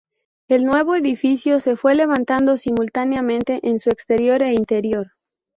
El nuevo edificio se fue levantando simultáneamente en su exterior e interior.